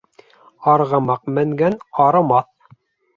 Арғымаҡ менгән арымаҫ.